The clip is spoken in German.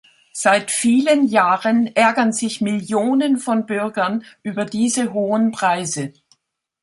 Seit vielen Jahren ärgern sich Millionen von Bürgern über diese hohen Preise.